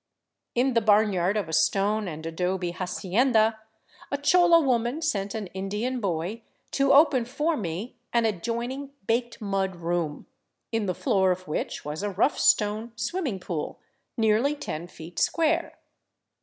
In the barnyard of a stone and adobe hacienda a chola woman sent an Indian boy to open for me an ad joining baked mud room, in the floor of which was a rough stone swim ming pool nearly ten feet square.